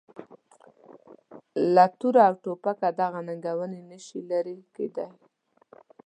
له توره او توپکه دغه ننګونې نه شي لرې کېدای.